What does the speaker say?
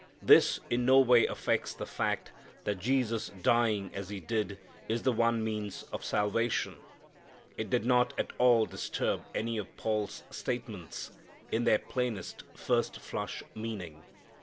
This in no way affects the fact that Jesus dying as He did is the one means of salvation. It does not at all disturb any of Paul's statements, in their plainest, first flush meaning.